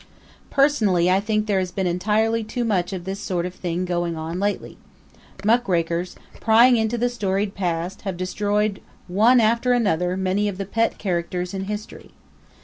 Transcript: Personally I think there has been entirely too much of this sort of thing going on lately. Muckrakers, prying into the storied past, have destroyed one after another many of the pet characters in history.